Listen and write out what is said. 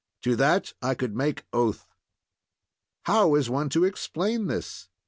To that I could make oath. How is one to explain this?